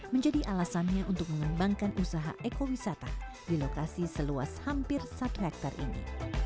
menjadi alasannya untuk mengembangkan usaha ekowisata di lokasi seluas hampir satu hektare ini